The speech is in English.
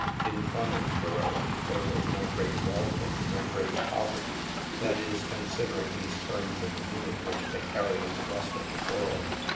In Coningsboro, there was no great wealth and no great poverty ; that is, considering these terms in the meaning which they carry in the rest of the world.